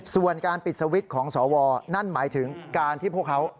ส่วนการปิดสวิตช์ของสวนั่นหมายถึงการที่พวกเขา